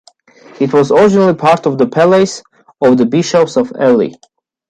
It was originally part of the palace of the bishops of Ely.